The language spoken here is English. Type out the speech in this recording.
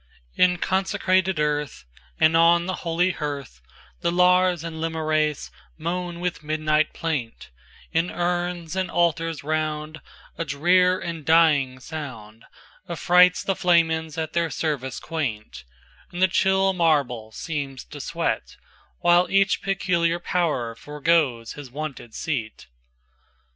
XXIIn consecrated earth, And on the holy hearth, The Lars and Lemures moan with midnight plaint; In urns, and altars round,A drear and dying soundAffrights the Flamens at their service quaint; And the chill marble seems to sweat, While each peculiar power forgoes his wonted seat.